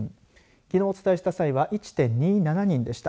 きのう、お伝えした際は１．２７人でした。